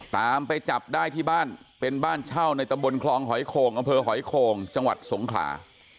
ตามไปจับได้ที่บ้านเป็นบ้านเช่าในตำบลคลองหอยโข่งอำเภอหอยโขงจังหวัดสงขลา